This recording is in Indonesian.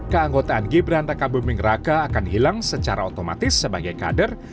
keangkotaan gibran takabubing raka akan hilang secara otomatis sebagai kader